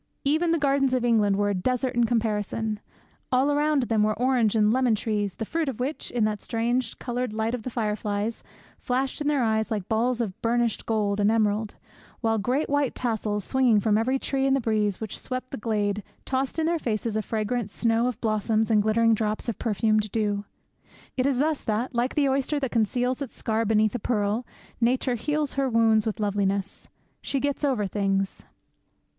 'Even the gardens of England were a desert in comparison! All around them were orange and lemon trees, the fruit of which, in that strange coloured light of the fireflies, flashed in their eyes like balls of burnished gold and emerald; while great white tassels, swinging from every tree in the breeze which swept the glade, tossed in their faces a fragrant snow of blossoms and glittering drops of perfumed dew.' It is thus that, like the oyster that conceals its scar beneath a pearl, Nature heals her wounds with loveliness. She gets over things.